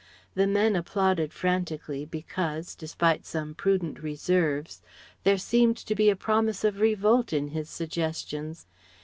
The men applauded frantically because, despite some prudent reserves, there seemed to be a promise of revolt in his suggestions.